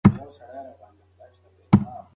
ثمر ګل د لمر له لوېدو وروسته کور ته راستون شو.